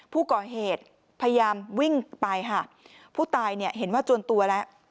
ผู้ก่อเหตุพยายามวิ่งไปค่ะผู้ตายเนี่ยเห็นว่าจวนตัวแล้ว